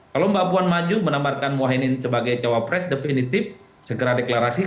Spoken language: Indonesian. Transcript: kalau mbak buan maju menambahkan mohaimin sebagai capres definitif segera deklarasi